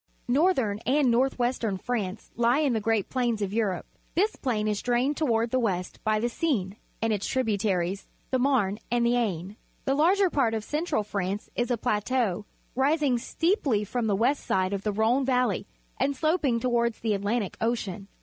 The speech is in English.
— Northern and north western France lie in the great plain of Europe. This plain is drained toward the west by the Seine, and its tributaries, the Marne and the Aisne. The larger part of Central France is a plateau, rising steeply from the west side of the Rhone ^'alley and sloping toward the Atlantic Ocean.